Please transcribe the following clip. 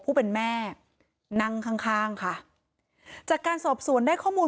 ผู้เป็นแม่นั่งข้างข้างค่ะจากการสอบสวนได้ข้อมูล